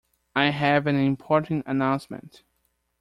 I have an important announcement